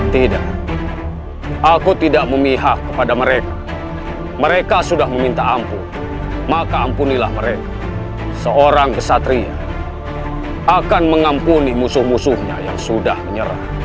tidak aku tidak memihak kepada mereka mereka sudah meminta ampun maka ampunilah mereka seorang kesatria akan mengampuni musuh musuhnya yang sudah menyerah